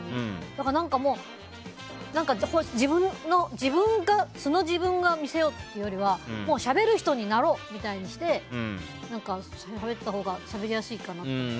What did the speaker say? だから、素の自分を見せようというよりはもう、しゃべる人になろうみたいにしてしゃべったほうがしゃべりやすいかなって。